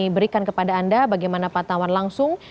berikan kepada anda bagaimana pantauan langsung